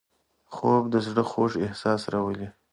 خوب د زړه خوږ احساس راولي